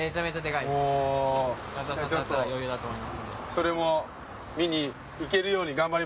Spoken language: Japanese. それも見に行けるように頑張ります。